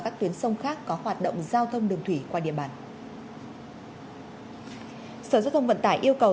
các tuyến sông khác có hoạt động giao thông đường thủy qua địa bàn sở giao thông vận tải yêu cầu